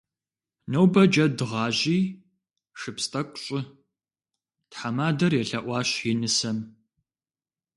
Нобэ джэд гъажьи шыпс тӏэкӏу щӏы, - тхьэмадэр елъэӏуащ и нысэм.